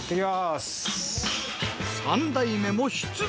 ３代目も出動。